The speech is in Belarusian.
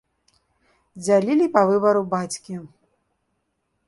Дзялілі па выбару бацькі.